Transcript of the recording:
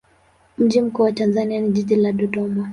Mji mkuu wa Tanzania ni jiji la Dodoma.